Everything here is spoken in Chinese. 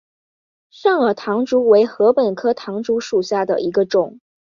肾耳唐竹为禾本科唐竹属下的一个种。